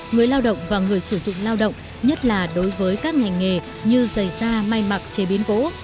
người lao động và người sử dụng lao động nhất là đối với các ngành nghề như giày da may mặc chế biến gỗ